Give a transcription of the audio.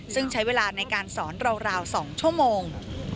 ซึ่งใช้เวลาในการสอนราว๒ชั่วโมง